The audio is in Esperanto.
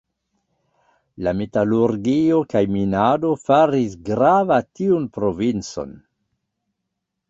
La metalurgio kaj minado faris grava tiun provincon.